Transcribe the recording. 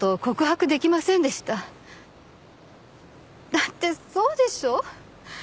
だってそうでしょう？